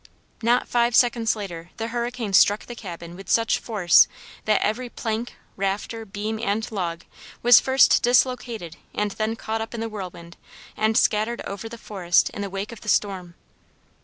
Not five seconds later the hurricane struck the cabin with such force that every plank, rafter, beam, and log was first dislocated and then caught up in the whirlwind and scattered over the forest in the wake of the storm.